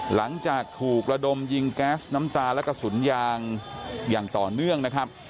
หลังจากถูกระดมยิงแก๊สน้ำตาและกระสุนยางอย่างต่อเนื่องนะครับ